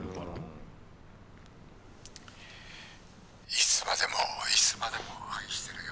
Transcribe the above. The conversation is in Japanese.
「いつまでもいつまでも愛してるよ」。